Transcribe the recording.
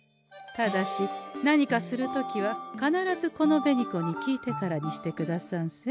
ただし何かする時は必ずこの紅子に聞いてからにしてくださんせ。